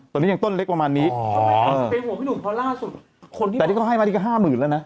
ตอนนี้ยังต้นเล็กประมาณนี้แต่ที่เขาให้มาที่ก็ห้าหมื่นแล้วนะ